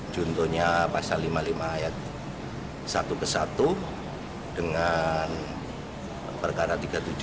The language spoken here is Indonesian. juntonya pasal lima puluh lima ayat satu ke satu dengan perkara tiga ratus tujuh puluh